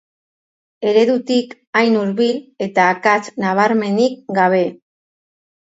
Eredutik hain hurbil, eta akats nabarmenik gabe!